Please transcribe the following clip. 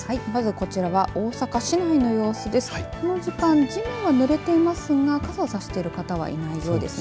この時間、地面はぬれてますが傘さしている方はいないようですね。